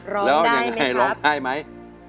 ร้องได้ไหมครับได้ครับแล้วยังไงร้องได้ไหม